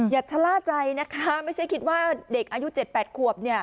ชะล่าใจนะคะไม่ใช่คิดว่าเด็กอายุ๗๘ขวบ